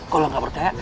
kalau gak bertaya